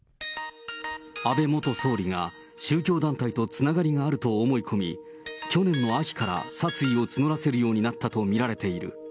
安倍元総理が宗教団体とつながりがあると思い込み、去年の秋から殺意を募らせるようになったと見られている。